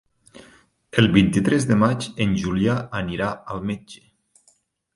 El vint-i-tres de maig en Julià anirà al metge.